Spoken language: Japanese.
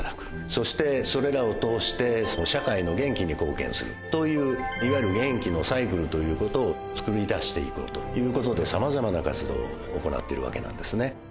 そしてそれらを通して社会の元気に貢献するといういわゆる元気のサイクルという事をつくり出していこうという事で様々な活動を行っているわけなんですね。